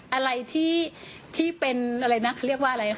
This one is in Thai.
อะไรที่เป็นอะไรนะเขาเรียกว่าอะไร